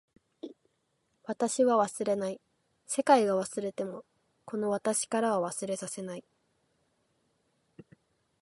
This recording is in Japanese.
私は忘れない。世界が忘れてもこの私からは忘れさせない。